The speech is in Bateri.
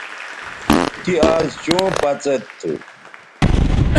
تی آز چوں پڅید تھو